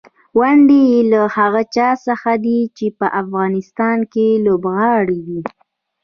ونډې یې له هغه چا څخه دي چې په افغانستان کې لوبغاړي دي.